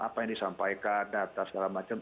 apa yang disampaikan data segala macam